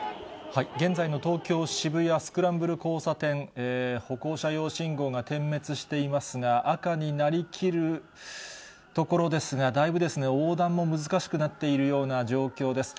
現在の東京・渋谷、スクランブル交差点、歩行者用信号が点滅していますが、赤になりきるところですが、だいぶ横断も難しくなっているような状況です。